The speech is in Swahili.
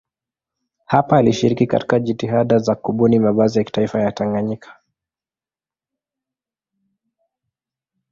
Hapa alishiriki katika jitihada za kubuni mavazi ya kitaifa ya Tanganyika.